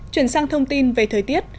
chuyển sang thông tin về thời tiết